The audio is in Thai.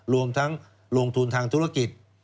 รวมทั้งลงทุนทางธุรกิจ